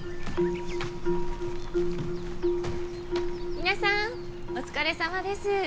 皆さんお疲れ様です。